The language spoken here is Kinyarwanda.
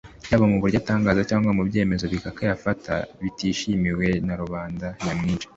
yaba mu byo atangaza cyangwa mu byemezo bikakaye afata bitishimiwe na rubanda nyamwinshi